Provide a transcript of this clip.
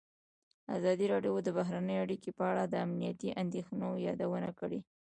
ازادي راډیو د بهرنۍ اړیکې په اړه د امنیتي اندېښنو یادونه کړې.